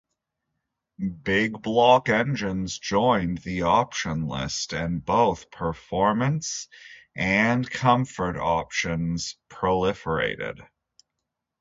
Big-block engines joined the option list, and both performance and comfort options proliferated.